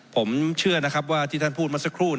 ผมเชื่อนะครับว่าที่ท่านพูดมาสักครู่